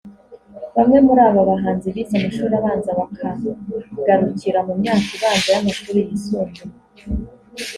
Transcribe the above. Bamwe muri aba bahanzi bize amashuri abanza bakagarukira mu myaka ibanza y’amashuri yisumbuye